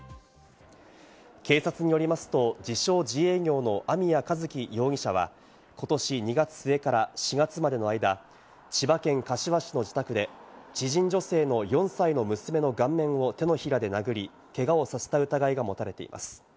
警察によりますと、自称・自営業の網谷一希容疑者はことし２月末から４月までの間、千葉県柏市の自宅で知人女性の４歳の娘の顔面を手のひらで殴り、けがをさせた疑いが持たれています。